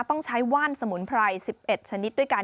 ต้องใช้ว่านสมุนไพร๑๑ชนิดด้วยกัน